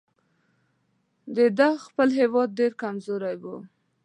د ده خپل هیواد ډېر کمزوری وو.